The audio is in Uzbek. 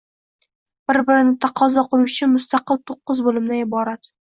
Bir-birini taqozo qiluvchi mustaqil to‘qqiz bo‘limdan iborat